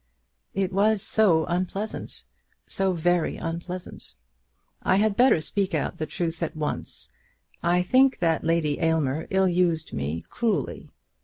"It was so unpleasant, so very unpleasant! I had better speak out the truth at once. I think that Lady Aylmer ill used me cruelly.